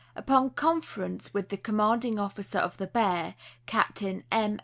Upon conference with the commanding officer of the Bear, Captain M.